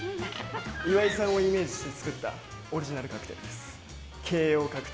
岩井さんをイメージして作ったオリジナルカクテルです。